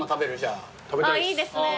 あっいいですね。